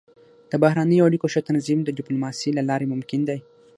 د بهرنیو اړیکو ښه تنظیم د ډيپلوماسۍ له لارې ممکن دی.